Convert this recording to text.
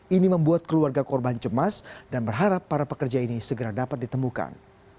ini membuat keluarga korban cemas dan berharap para pekerja ini segera dapat ditemukan